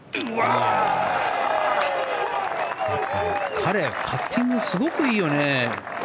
彼、パッティングすごくいいよね。